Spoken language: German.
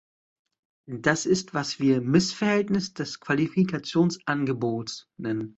Das ist was wir "Missverhältnis des Qualifikationsangebots" nennen.